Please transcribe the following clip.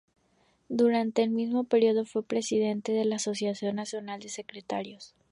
Durante el mismo período fue presidente de la Asociación Nacional de Secretarios.